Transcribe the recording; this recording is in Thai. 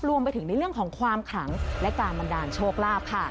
รวมไปถึงในเรื่องของความขลังและการบันดาลโชคลาภค่ะ